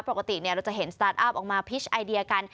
ปกติเราจะเห็นสตาร์ทอัพออกมาพิชไอเดียกัน